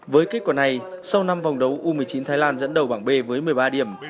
với kết quả này sau năm vòng đấu u một mươi chín thái lan dẫn đầu bảng b với một mươi ba điểm